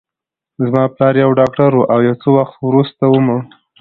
زما پلار یو ډاکټر و، او یو څه وخت وروسته ومړ.